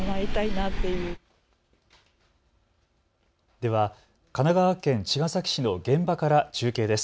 では神奈川県茅ヶ崎市の現場から中継です。